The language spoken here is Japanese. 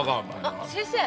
あっ先生。